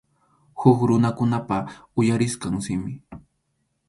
Huk runakunapa uyarisqan simi.